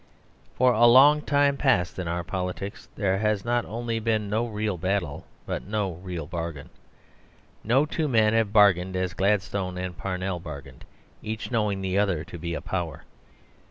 For a long time past in our politics there has not only been no real battle, but no real bargain. No two men have bargained as Gladstone and Parnell bargained each knowing the other to be a power.